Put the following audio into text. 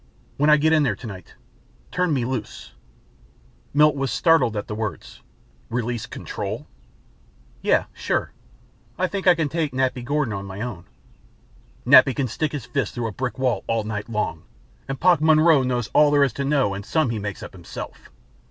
"When I get in there tonight turn me loose!" Milt was startled at the words. "Release control?" "Yeah sure. I think I can take Nappy Gordon on my own!" "Nappy can stick his fist through a brick wall all night long. And Pop Monroe knows all there is to know and some he makes up himself.